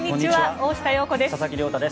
大下容子です。